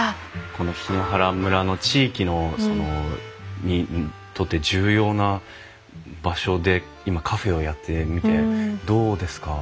この檜原村の地域にとって重要な場所で今カフェをやってみてどうですか？